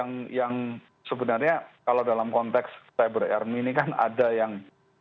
nah yang sebenarnya kalau dalam konteks cyber army ini kan ada yang